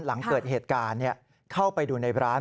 หลังเกิดเหตุการณ์เข้าไปดูในร้าน